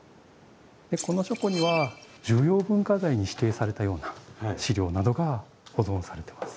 この書庫には重要文化財に指定されたような資料などが保存されてます。